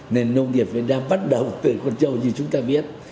nên nông nghiệp việt nam bắt đầu từ con trâu như chúng ta biết